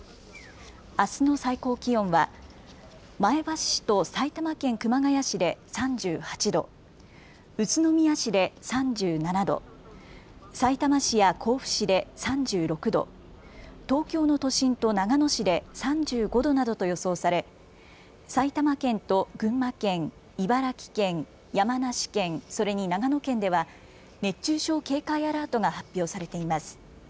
あすの最高気温は前橋市と埼玉県熊谷市で３８度、宇都宮市で３７度、さいたま市や甲府市で３６度、東京の都心と長野市で３５度などと予想され埼玉県と群馬県、群馬県、茨城県、山梨県、それに長野県では熱中症警戒アラートが発表されています。